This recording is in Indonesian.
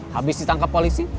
habis ditangkap polisi